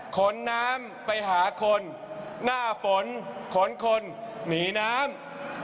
ขนน้ำไปหาคนหน้าฝนขนคนหนีน้ำ